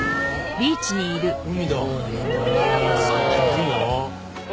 いいなあ。